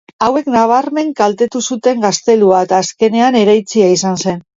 Hauek nabarmen kaltetu zuten gaztelua eta azkenean eraitsia izan zen.